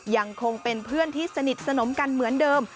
ยังคงเป็นเพื่อนที่สนิทสนมกันเหมือนเดิม